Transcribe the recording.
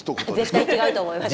絶対違うと思います。